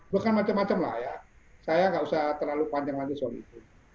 bukan macam macam lah ya saya nggak usah terlalu panjang nanti soal itu